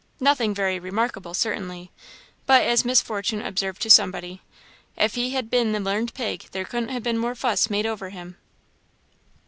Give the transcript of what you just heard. Nothing very remarkable, certainly, but, as Miss Fortune observed to somebody, "if he had been the learned pig, there couldn't ha' been more fuss made over him."